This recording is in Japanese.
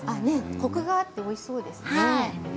コクがあっておいしそうですね。